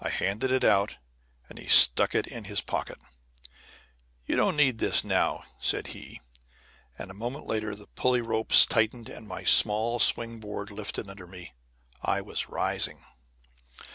I handed it out, and he stuck it in his pocket. "You don't need this now," said he, and a moment later the pulley ropes tightened and my small swing board lifted under me. I was rising.